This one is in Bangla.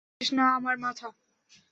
নিঃশেষ না, আমার মাথা।